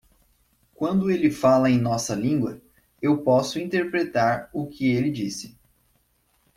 Quando ele fala em nossa língua, eu posso interpretar o que ele disse.